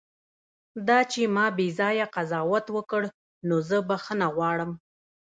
دا چې ما بیځایه قضاوت وکړ، نو زه بښنه غواړم.